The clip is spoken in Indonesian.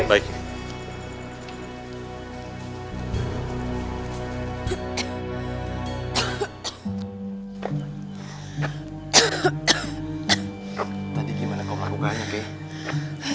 tadi gimana kau melakukannya ki